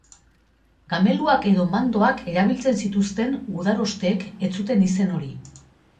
Gameluak edo mandoak erabiltzen zituzten gudarosteek ez zuten izen hori.